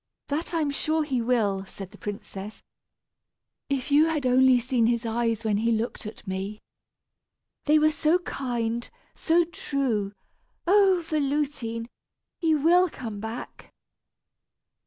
"That I am sure he will!" said the princess. "If you had only seen his eyes when he looked at me! They were so kind, so true! Oh! Véloutine! he will come back!"